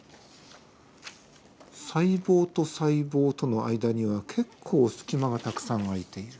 細胞と細胞との間には結構隙間がたくさん空いている。